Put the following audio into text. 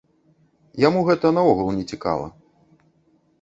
Яму гэта наогул не цікава.